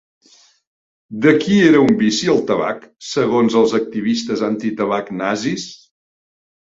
De qui era un vici el tabac segons els activistes antitabac nazis?